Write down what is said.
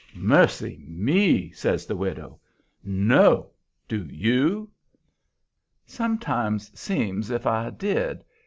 "Mercy me!" says the widow. "No. Do YOU?" "Sometimes seems's if I did.